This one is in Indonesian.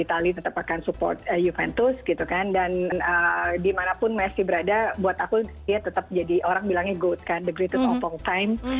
itali tetap akan support juventus gitu kan dan dimanapun messi berada buat aku dia tetap jadi orang bilangnya god kan the great it of all time